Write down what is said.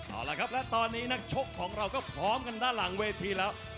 เอาละครับและตอนนี้นักชกของเราก็พร้อมกันด้านหลังเวทีแล้ว